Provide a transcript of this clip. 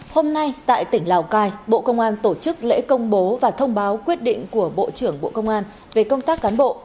hôm nay tại tỉnh lào cai bộ công an tổ chức lễ công bố và thông báo quyết định của bộ trưởng bộ công an về công tác cán bộ